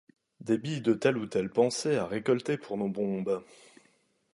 Des billes de telle ou telle pensée à récolter pour nos bombes.